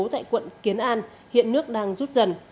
tại quận kiến an hiện nước đang rút dần